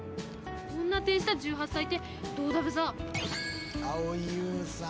こんな手した１８歳ってどうだべさ？